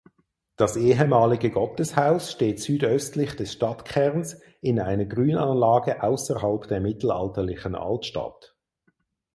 Das ehemalige Gotteshaus steht südöstlich des Stadtkerns in einer Grünanlage außerhalb der mittelalterlichen Altstadt.